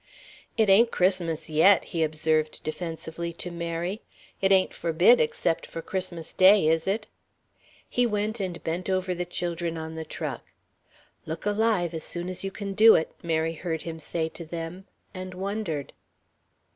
"It ain't Christmas yet," he observed defensively to Mary. "It ain't forbid except for Christmas Day, is it?" He went and bent over the children on the truck. "Look alive as soon as you can do it," Mary heard him say to them, and wondered.